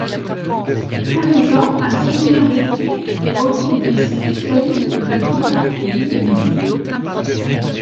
Tous les ans, un séminaire d'été regroupe des spécialistes de divers pays du monde.